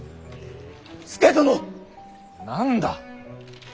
何だ。